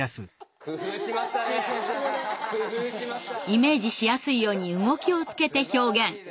イメージしやすいように動きをつけて表現。